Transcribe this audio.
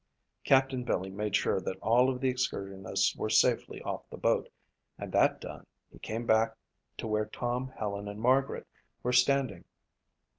Captain Billy made sure that all of the excursionists were safely off the boat and that done, he came back to where Tom, Helen and Margaret were standing.